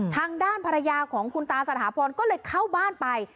ทางด้านภรรยาของคุณตาสถาพรก็เลยเข้าบ้านไป